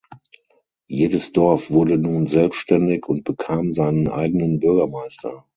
Jedes Dorf wurde nun selbstständig und bekam seinen eigenen Bürgermeister.